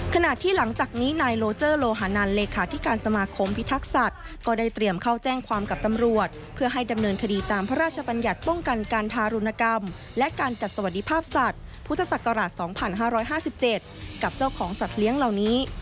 ขณะที่หลังจากนี้นายโลเจอร์โลหานันเลขาธิการสมาคมพิทักษัตริย์ก็ได้เตรียมเข้าแจ้งความกับตำรวจเพื่อให้ดำเนินคดีตามพระราชบัญญัติป้องกันการทารุณกรรมและการจัดสวัสดิภาพสัตว์พุทธศักราช๒๕๕๗กับเจ้าของสัตว์เลี้ยงเหล่านี้